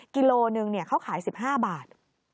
กิโลนึงเขาขาย๑๕บาท